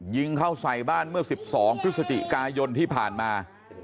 ยิงเข้าใส่บ้านเมื่อ๑๒พฤศจิกายนที่ผ่านมา